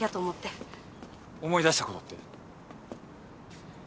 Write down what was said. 思い出した事って？